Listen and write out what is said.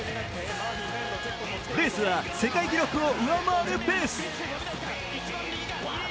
レースは世界記録を上回るペース。